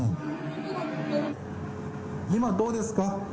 今どうですか？